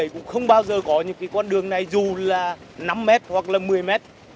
cũng không bao giờ có những con đường này dù là năm m hoặc là một mươi m